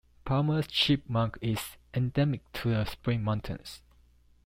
Palmer's chipmunk is endemic to the Spring Mountains.